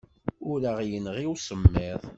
Ur aɣ-yenɣi usemmiḍ.